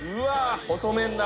細麺だ